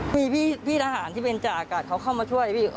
มีพี่ทหารที่เป็นจ่าอากาศเขาเข้ามาช่วยพี่